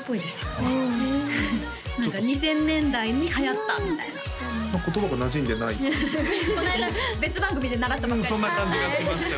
あっちょっと２０００年代にはやったみたいな言葉がなじんでない感じがこの間別番組で習ったばっかりそんな感じがしましたよ